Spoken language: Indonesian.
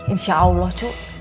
insya allah cu